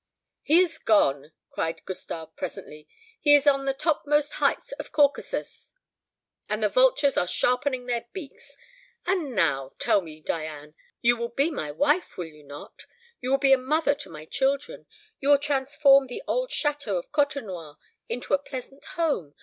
"He is gone!" cried Gustave presently; "he is on the topmost heights of Caucasus, and the vultures are sharpening their beaks! And now, tell me, Diane you will be my wife, will you not? You will be a mother to my children? You will transform the old chateau of Côtenoir into a pleasant home?